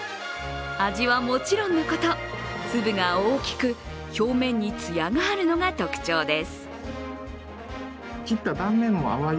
味はもちろんのこと、粒が大きく表面につやがあるのが特徴です。